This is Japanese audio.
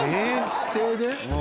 指定で？